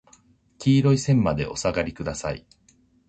黄色い線までお下がりください。